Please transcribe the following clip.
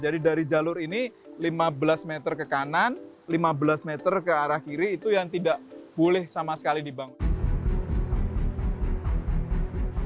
jadi dari jalur ini lima belas meter ke kanan lima belas meter ke arah kiri itu yang tidak boleh sama sekali dibangun